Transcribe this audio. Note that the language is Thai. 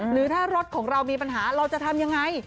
หรือถ้ารถของเรามีปัญหาเราจะทำยังไง